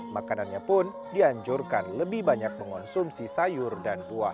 makanannya pun dianjurkan lebih banyak mengonsumsi sayur dan buah